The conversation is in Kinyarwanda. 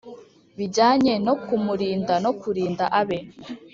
bijyanye no kumurinda no kurinda abe